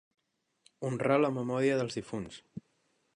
Honrar la memòria dels difunts.